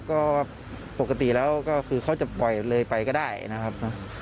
ก็ปกติแล้วก็คือเขาจะปล่อยเลยไปก็ได้นะครับ